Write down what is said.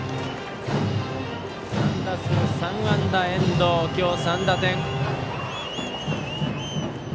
３打数３安打、遠藤今日、３打点。